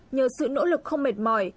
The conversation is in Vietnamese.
nhờ sự nỗ lực không mệt mỏi